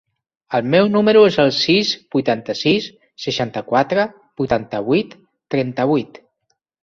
El meu número es el sis, vuitanta-sis, seixanta-quatre, vuitanta-vuit, trenta-vuit.